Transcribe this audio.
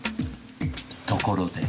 ところで。